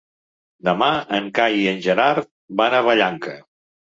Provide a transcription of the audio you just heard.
Demà en Cai i en Gerard van a Vallanca.